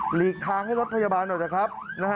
หลีกทางให้รถพยาบาลหน่อยครับนะครับ